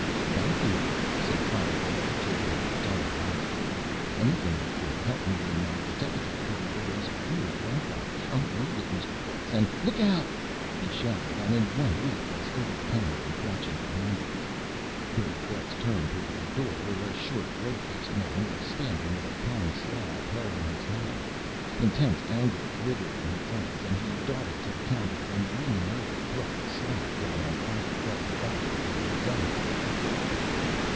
"Thank you," said Philo Gubb, taking the dime novel. "Anything that can help me in my deteckative career is real welcome. I'll read it, Mr. Getz, and Look out!" he shouted, and in one leap was over the counter and crouching behind it. Billy Getz turned toward the door, where a short, red faced man was standing with a pine slab held in his hand. Intense anger glittered in his eyes, and he darted to the counter and, leaning over, brought the slab down on Philo Gubb's back with a resounding whack.